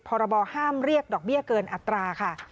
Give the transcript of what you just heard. พรบห้ามเรียกดอกเบี้ยเกินอัตราค่ะ